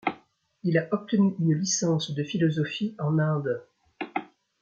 Il a obtenu une licence de philosophie en Inde.